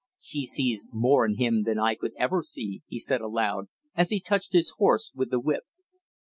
"She sees more in him than I could ever see!" he said aloud, as he touched his horse with the whip.